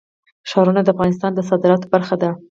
ښارونه د افغانستان د صادراتو برخه ده.